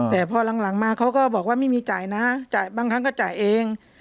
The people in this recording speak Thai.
แต่พอหลังมาเขาก็บอกว่าไม่มีจ่ายนะจ่ายบางครั้งก็จ่ายเอง